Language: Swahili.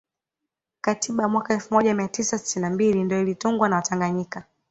Katiba ya mwaka elfu moja mia tisa sitini na mbili ndiyo ilitungwa na watanganyika